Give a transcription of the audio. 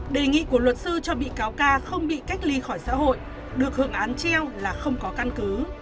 đề nghị của luật sư cho bị cáo ca không bị cách ly khỏi xã hội được hưởng án treo là không có căn cứ